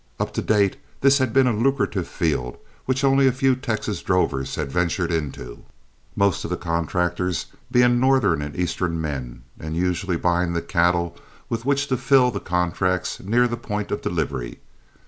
Up to date this had been a lucrative field which only a few Texas drovers had ventured into, most of the contractors being Northern and Eastern men, and usually buying the cattle with which to fill the contracts near the point of delivery.